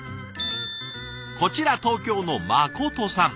こちら東京のまことさん。